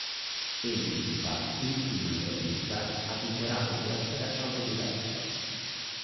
Egli infatti, in un'intervista, ha dichiarato di essere autodidatta.